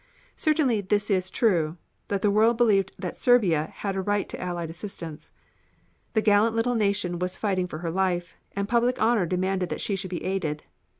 Certainly this is true, that the world believed that Serbia had a right to Allied assistance. The gallant little nation was fighting for her life, and public honor demanded that she should be aided.